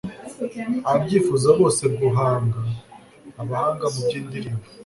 ababyifuza bose guhanga. abahanga mu by'indirimbo